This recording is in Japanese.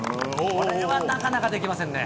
これはなかなかできませんね。